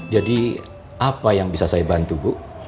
jadi apa yang bisa saya bantu bu